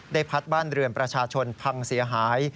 พัดบ้านเรือนประชาชนพังเสียหาย